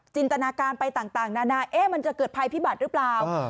ตนาการไปต่างนานามันจะเกิดภัยพิบัติหรือเปล่า